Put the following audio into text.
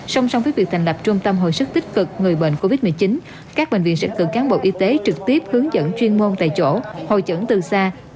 song song với việc thành lập trung tâm hồi sức tích cực người bệnh covid một mươi chín